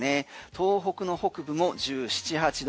東北の北部も１７１８度。